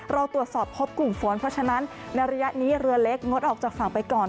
เราตรวจสอบพบกลุ่มฝนเพราะฉะนั้นในระยะนี้เรือเล็กงดออกจากฝั่งไปก่อน